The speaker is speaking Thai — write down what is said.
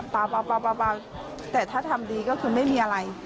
แต่ถ้าทำดีก็คือไม่มีอะไร